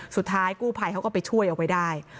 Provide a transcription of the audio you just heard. สุดท้ายกู้ภัยเขาก็ไปช่วยเอาไว้ได้